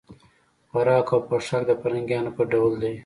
خوراک او پوښاک د فرنګیانو په ډول دی.